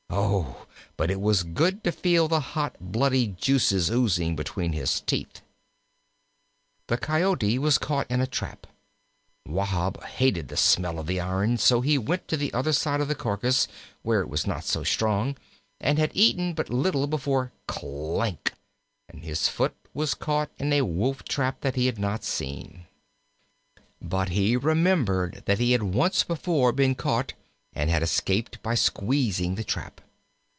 Oh, but it was good to feel the hot, bloody juices oozing between his teeth! The Coyote was caught in a trap. Wahb hated the smell of the iron, so he went to the other side of the carcass, where it was not so strong, and had eaten but little before clank, and his foot was caught in a Wolf trap that he had not seen. But he remembered that he had once before been caught and had escaped by squeezing the trap.